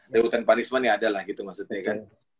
reward and punishment ya ada lah gitu maksudnya